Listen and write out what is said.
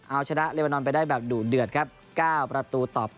เอาชนะเลเบอร์นอนไปได้แบบดุเดือดครับ๙ประตูต่อ๘